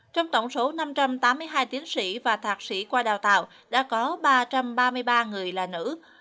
trong tổng số năm trăm tám mươi hai tiến sĩ và thạc sĩ qua đào tạo đã có ba trăm ba mươi ba người là nữ